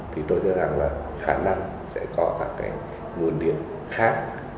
thì tôi cho rằng là khả năng sẽ có các cái nguồn điện khác